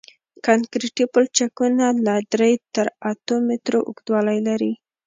کانکریټي پلچکونه له درې تر اتو مترو اوږدوالی لري